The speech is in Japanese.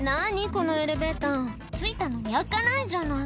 このエレベーター着いたのに開かないじゃない」